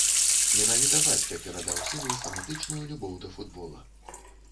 Менавіта бацька перадаў сыну фанатычную любоў да футбола.